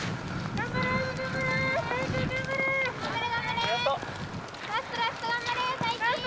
頑張れ頑張れ！